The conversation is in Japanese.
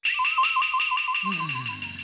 うん。